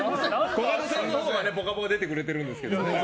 コカドさんのほうが「ぽかぽか」出てくれてるんですけどね。